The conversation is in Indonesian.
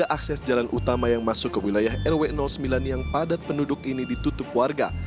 tiga akses jalan utama yang masuk ke wilayah rw sembilan yang padat penduduk ini ditutup warga